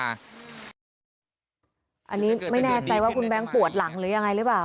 อันนี้ไม่แน่ใจว่าคุณแบงค์ปวดหลังหรือยังไงหรือเปล่า